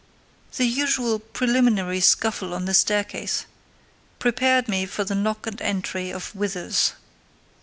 The usual preliminary scuffle on the staircase prepared me for the knock and entry of Withers.